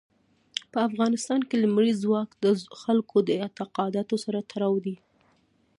په افغانستان کې لمریز ځواک د خلکو د اعتقاداتو سره تړاو لري.